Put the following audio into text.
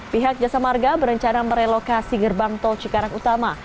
pihak jasa marga berencana merelokasi gerbang tol cikarang utama